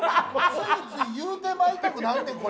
ついつい言うてまいたくなるねん。